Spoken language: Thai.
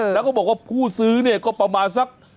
แล้วก็บอกว่าผู้ซื้อเนี่ยก็ประมาณสัก